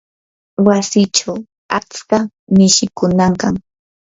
wasichaw atska mishikunam kan.